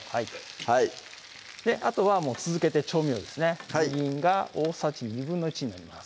はいあとは続けて調味料ですねみりんが大さじ１／２になります